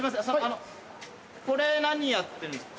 あのこれ何やってるんですか？